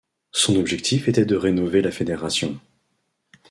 Son objectif était de rénover la fédération.